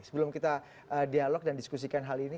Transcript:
sebelum kita dialog dan diskusikan hal ini